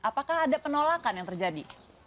apakah ada penolakan yang terjadi